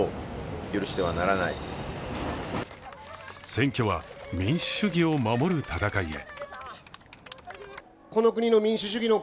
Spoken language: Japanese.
選挙は民主主義を守る戦いへ。